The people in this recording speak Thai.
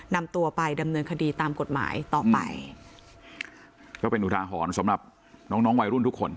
นำตัวไปดำเนินคดีตามกฎหมายต่อไปก็เป็นอุทาหรณ์สำหรับน้องน้องวัยรุ่นทุกคน